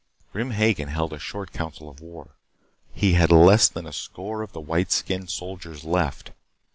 Grim Hagen held a short council of war. He had less than a score of the white skinned soldiers left.